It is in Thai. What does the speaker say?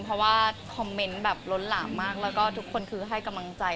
เพราะว่าคอมเมนต์แบบล้นหลามมากแล้วก็ทุกคนคือให้กำลังใจ